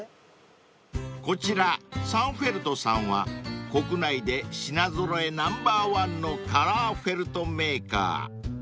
［こちらサンフェルトさんは国内で品揃えナンバーワンのカラーフェルトメーカー］